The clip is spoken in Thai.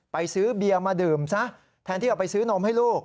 ซื้อเบียร์มาดื่มซะแทนที่เอาไปซื้อนมให้ลูก